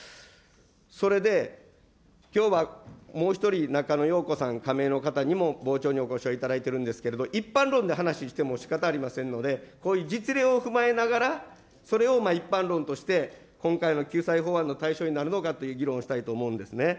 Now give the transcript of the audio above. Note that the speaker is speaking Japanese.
それできょうはもう１人、中野容子さん、仮名の方にも傍聴にお越しをいただいているんですけれども、一般論で話してもしかたありませんので、実例を踏まえながら、それを一般論として今回の救済法案の対象になるのかっていう議論をしたいと思うんですね。